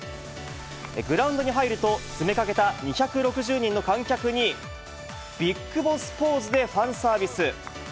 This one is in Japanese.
グラウンドに入ると、詰めかけた２６０人の観客に、ビッグボスポーズでファンサービス。